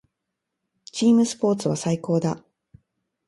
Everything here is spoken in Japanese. チームスポーツは最高だ。